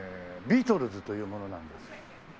ビートルズという者なんですけど。